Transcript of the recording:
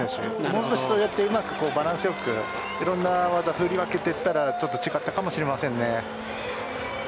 もう少しうまくバランスよくいろんな技を振り分けていったらちょっと違ったかもしれません。